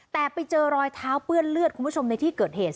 แต่ไปเจอรอยเท้าเปื้อนเลือดคุณผู้ชมในที่เกิดเหตุ